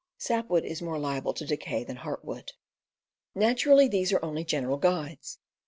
(Sapwood is more liable to decay than heart wood.) AXEMANSHIP 265 Naturally, these are only general guides.